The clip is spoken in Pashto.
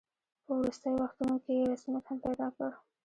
په وروستیو وختونو کې یې رسمیت هم پیدا کړ.